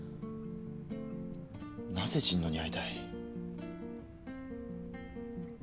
なぜ神野に会いたい？